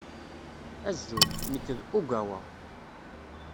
Azul. Nekk d Ogawa.